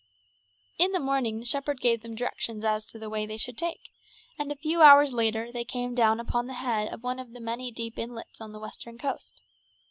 In the morning the shepherd gave them directions as to the way they should take, and a few hours later they came down upon the head of one of the many deep inlets on the western coast.